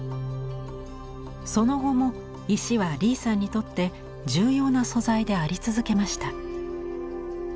その後も石は李さんにとって重要な素材であり続けました。